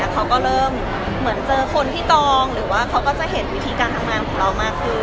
เขาก็เริ่มเหมือนเจอคนที่ตองหรือว่าเขาก็จะเห็นวิธีการทำงานของเรามากขึ้น